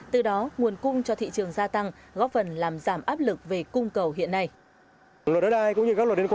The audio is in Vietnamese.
từ đó nguồn cung cho thị trường gia tăng góp phần làm giảm áp lực về cung cầu hiện nay